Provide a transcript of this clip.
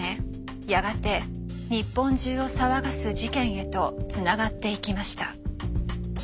やがて日本中を騒がす事件へとつながっていきました。